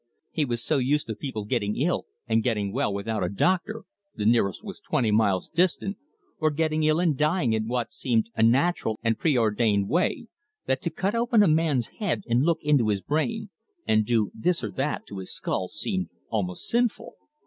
He was so used to people getting ill and getting well without a doctor the nearest was twenty miles distant or getting ill and dying in what seemed a natural and preordained way, that to cut open a man's head and look into his brain, and do this or that to his skull, seemed almost sinful.